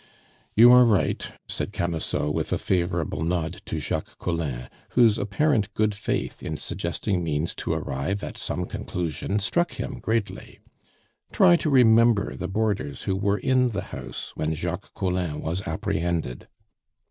"You are right," said Camusot, with a favorable nod to Jacques Collin, whose apparent good faith in suggesting means to arrive at some conclusion struck him greatly. "Try to remember the boarders who were in the house when Jacques Collin was apprehended."